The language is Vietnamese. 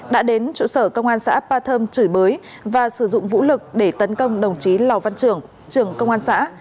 đã đến trụ sở công an xã appatham chửi bới và sử dụng vũ lực để tấn công đồng chí lào văn trưởng trưởng công an xã